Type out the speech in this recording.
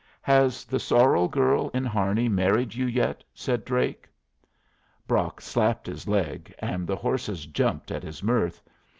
"Has the sorrel girl in Harney married you yet?" said Drake. Brock slapped his leg, and the horses jumped at his mirth.